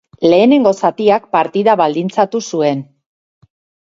Lehenengo zatiak partida baldintzatu zuen.